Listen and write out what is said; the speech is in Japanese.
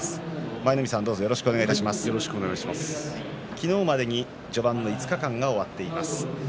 昨日までに序盤の５日間が終わっています。